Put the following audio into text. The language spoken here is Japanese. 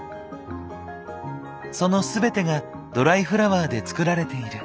その全てがドライフラワーで作られている。